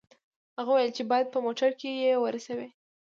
هغه وویل چې باید په موټر کې یې ورسوي